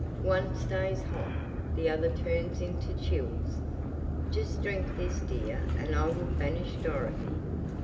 One stays hot, the other turns into chills. Just drink this dear, and I will banish Dorothy.